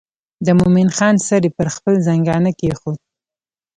د مومن خان سر یې پر خپل زنګانه کېښود.